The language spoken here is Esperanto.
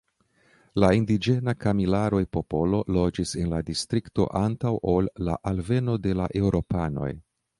La indiĝena Kamilaroj-popolo loĝis en la distrikto antaŭ ol la alveno de la eŭropanoj.